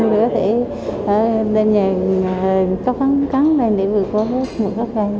giúp đỡ chị lên nhà cho khó khăn để vượt qua hết